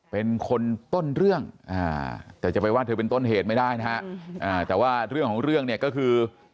เป็นคนต้นเรื่องแต่จะไปว่าเธอเป็นต้นเหตุไม่ได้นะฮะแต่ว่าเรื่องของเรื่องเนี่ยก็คือ